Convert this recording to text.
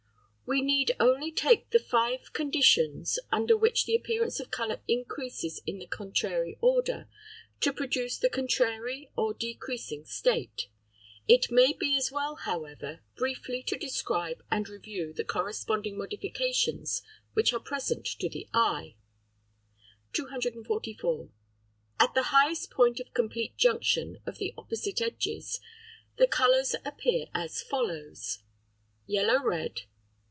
We need only take the five conditions (210) under which the appearance of colour increases in the contrary order, to produce the contrary or decreasing state; it may be as well, however, briefly to describe and review the corresponding modifications which are presented to the eye. 244. At the highest point of complete junction of the opposite edges, the colours appear as follows (216): Yellow red.